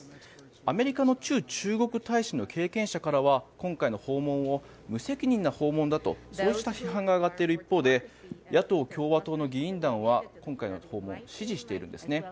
アメリカの駐中国大使の経験者からは今回の訪問を無責任な訪問だとそうした批判が上がっている一方で野党・共和党の議員団は今回の訪問を支持しているんです。